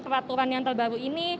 peraturan yang terbaru ini